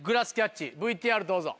ＶＴＲどうぞ。